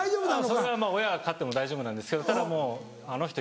それは親が勝っても大丈夫なんですけどただもうあの人